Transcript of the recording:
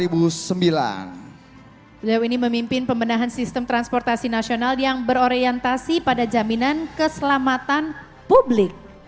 beliau ini memimpin pembenahan sistem transportasi nasional yang berorientasi pada jaminan keselamatan publik